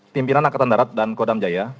pimpinan angkatan darat dan kodam jaya